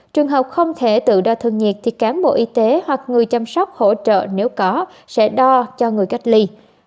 trường hợp không thể tự đo thân nhiệt thì cán bộ y tế hoặc người chăm sóc hỗ trợ nếu có sẽ đo cho người cách ly